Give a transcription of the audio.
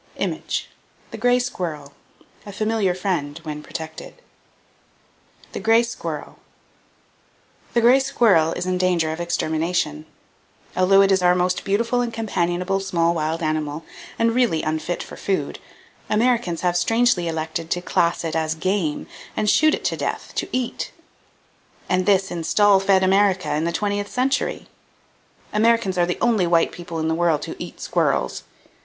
THE GRAY SQUIRREL, A FAMILIAR FRIEND WHEN PROTECTED The Gray Squirrel. —The gray squirrel is in danger of extermination. Although it is our most beautiful and companionable small wild animal, and really unfit for food, Americans have strangely elected to class it [Page 33] as "game," and shoot it to death, to eat! And this in stall fed America, in the twentieth century! Americans are the only white people in the world who eat squirrels.